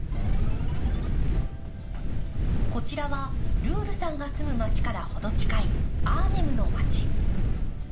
こちらはルールさんが住む街から程近いアーネムの街。